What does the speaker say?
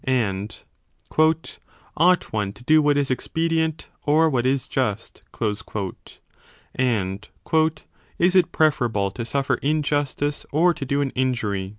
and Ought one to do what is expedient or what is just ? and Is it preferable to suffer injustice or to do an injury